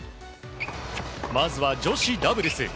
まずは女子ダブルス。